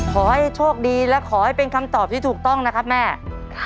ขอให้โชคดีและขอให้เป็นคำตอบที่ถูกต้องนะครับแม่